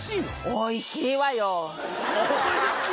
おいしいわよぉ